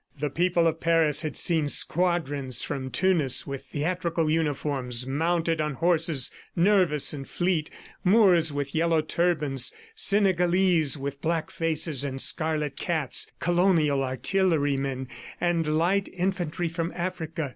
The people of Paris had seen squadrons from Tunis with theatrical uniforms, mounted on horses, nervous and fleet, Moors with yellow turbans, Senegalese with black faces and scarlet caps, colonial artillerymen, and light infantry from Africa.